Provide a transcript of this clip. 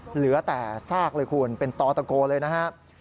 เหลือแต่ซากเลยคุณเป็นตอตะโกเลยนะครับ